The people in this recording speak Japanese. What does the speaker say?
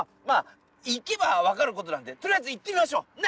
まあ行けば分かることなんでとりあえず行ってみましょう。